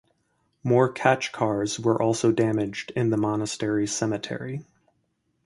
More khachkars were also damaged in the monastery cemetery.